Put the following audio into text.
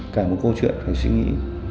cả một câu chuyện phải suy nghĩ